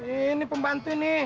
ini pembantu ini